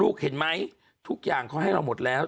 เห็นไหมทุกอย่างเขาให้เราหมดแล้ว